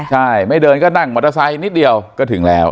ใช่ไม่เดินก็นั่งมอเตอร์ไซค์นิดเดียวก็ถึงแล้ว